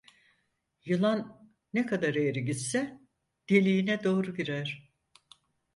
Yılan ne kadar eğri gitse deliğine doğru girer.